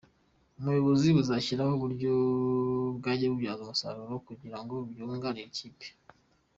Ubuyobozi buzashyireho uburyo byajya bibyazwa umusaruro kugira ngo byunganire ikipe.